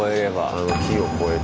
あの木を越えて。